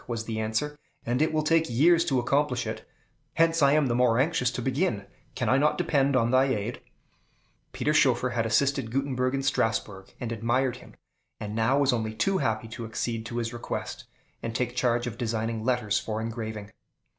was the answer, "and it will take years to accomplish it; hence I am the more anxious to begin. Can I not depend on thy aid?" Peter Schoeffer had assisted Gutenberg in Strasbourg, and admired him, and now was only too happy to accede to his request, and take charge of designing letters for engraving.